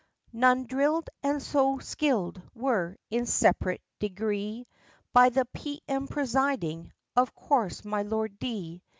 None drill'd and so skill'd were, in sep'rate degree, By the P. M. presiding (of course my Lord D.)